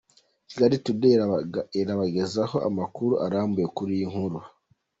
Kigali Today irabagezaho amakuru arambuye kuri iyi nkuru.